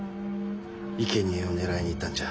いけにえを狙いに行ったんじゃ。